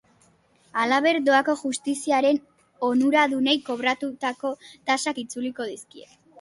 Halaber, doako justiziaren onuradunei kobratutako tasak itzuliko dizkie.